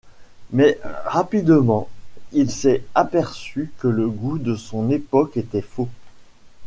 Mais rapidement il s'est aperçu que le goût de son époque était faux.